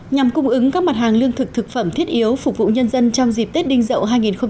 nhằm cung ứng các mặt hàng lương thực thực phẩm thiết yếu phục vụ nhân dân trong dịp tết đinh dậu hai nghìn hai mươi